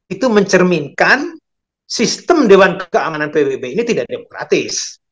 itu mencerminkan sistem dewan keamanan pbb ini tidak demokratis